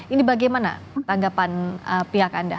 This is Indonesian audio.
ini bagaimana tanggapan pihak anda